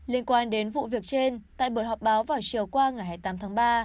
liên quan đến vụ việc trên tại buổi họp báo vào chiều qua ngày hai mươi tám tháng ba